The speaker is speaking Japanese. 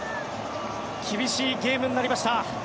厳しいゲームになりました。